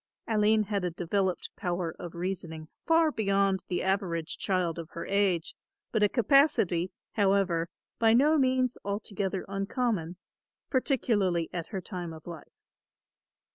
Aline had a developed power of reasoning far beyond the average child of her age but a capacity, however, by no means altogether uncommon, particularly at her time of life.